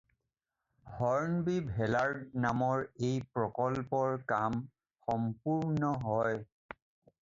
হৰ্নবি ভেলাৰ্ড নামৰ এই প্ৰকল্পৰ কাম সম্পূৰ্ণ হয়।